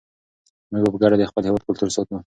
موږ به په ګډه د خپل هېواد کلتور ساتو.